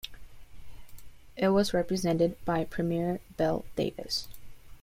It was represented by Premier Bill Davis.